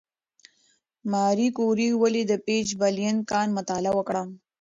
ماري کوري ولې د پیچبلېند کان مطالعه وکړه؟